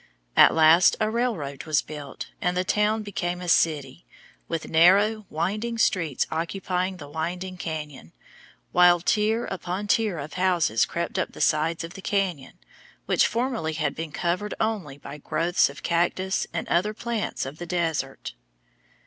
At last a railroad was built, and the town became a city, with narrow, winding streets occupying the winding cañon, while tier upon tier of houses crept up the sides of the cañon, which formerly had been covered only by growths of cactus and other plants of the desert.